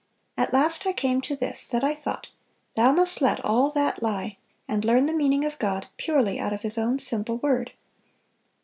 At last I came to this, that I thought, 'Thou must let all that lie, and learn the meaning of God purely out of His own simple word.